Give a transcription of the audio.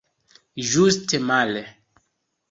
Ĝuste male!